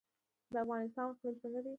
د افغانستان اقلیم څنګه دی؟